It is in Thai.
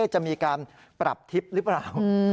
จะมีการปรับทริปหรือเปล่า